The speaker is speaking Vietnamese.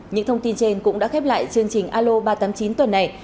những thông tin trên cũng đã khép lại chương trình alo ba trăm tám mươi chín tuần này